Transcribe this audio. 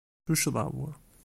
D tuccḍa-w.